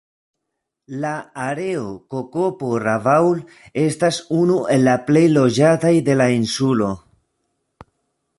La areo Kokopo-Rabaul estas unu el la plej loĝataj de la insulo.